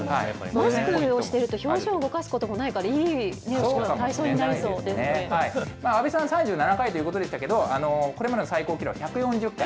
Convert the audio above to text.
マスクをしていると、表情を動かすこともないから、阿部さん、３７回ということでしたけれど、これまでの最高記録、１４０回。